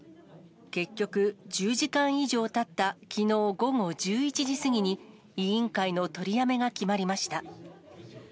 結局、１０時間以上たったきのう午後１１時過ぎに、委員会の取りやめが決まりました。